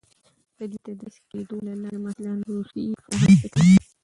د دوی تدریس کېدو له لارې محصلان روسي فرهنګ زده کول.